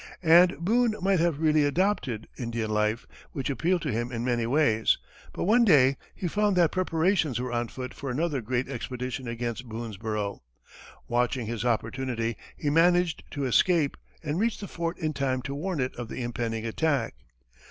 And Boone might have really adopted Indian life, which appealed to him in many ways, but one day he found that preparations were on foot for another great expedition against Boonesborough. Watching his opportunity, he managed to escape, and reached the fort in time to warn it of the impending attack.